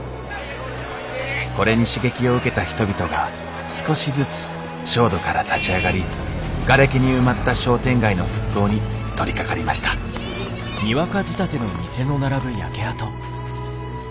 これに刺激を受けた人々が少しずつ焦土から立ち上がりがれきに埋まった商店街の復興に取りかかりました安子。